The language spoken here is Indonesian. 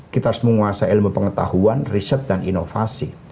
kita harus menguasai ilmu pengetahuan riset dan inovasi